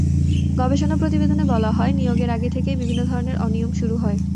গবেষণা প্রতিবেদনে বলা হয়, নিয়োগের আগে থেকেই বিভিন্ন ধরনের অনিয়ম শুরু হয়।